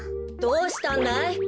どうしたんだい？